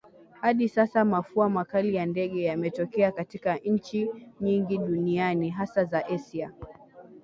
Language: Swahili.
Hadi sasa mafua makali ya ndege yametokea katika nchi nyingi duniani hasa za Asia